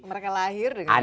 mereka lahir dengan teknologi